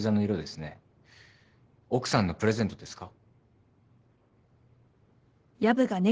奥さんのプレゼントですか？